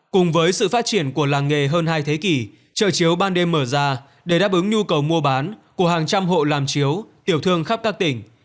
cùng với sự phát triển của làng nghề hơn hai thế kỷ trợ chiếu ban đêm mở ra để đáp ứng nhu cầu mua bán của hàng trăm hộ làm chiếu tiểu thương khắp các tỉnh